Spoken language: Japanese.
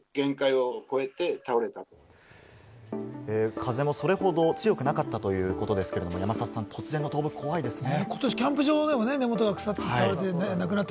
風もそれほど強くなかったということですけれども、山里さん、突然の倒木、怖いですね。